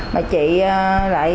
mà chị lại